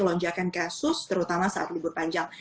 lonjakan kasus terutama saat libur panjang